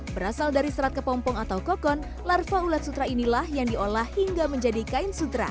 berasal dari serat kepompong atau kokon larva ulat sutra inilah yang diolah hingga menjadi kain sutra